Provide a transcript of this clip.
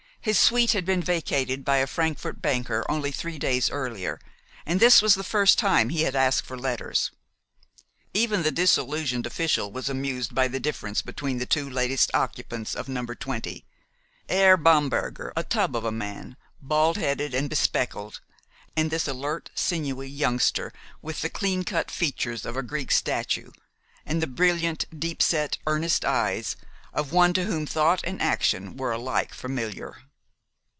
His suite had been vacated by a Frankfort banker only three days earlier, and this was the first time he had asked for letters. Even the disillusioned official was amused by the difference between the two latest occupants of No. 20, Herr Bamberger, a tub of a man, bald headed and bespectacled, and this alert, sinewy youngster, with the cleancut features of a Greek statue, and the brilliant, deep set, earnest eyes of one to whom thought and action were alike familiar.